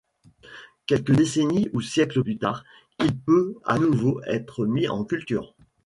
Quelques décennies ou siècles plus tard, il peut à nouveau être mis en culture.